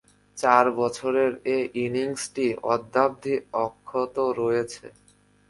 চার বছরের এ ইনিংসটি অদ্যাবধি অক্ষত রয়েছে।